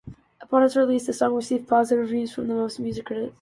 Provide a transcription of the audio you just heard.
Upon its release, the song received positive reviews from most music critics.